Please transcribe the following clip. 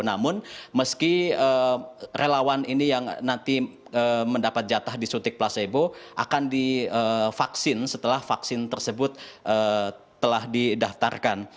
namun meski relawan ini yang nanti mendapat jatah disuntik placebo akan divaksin setelah vaksin tersebut telah didaftarkan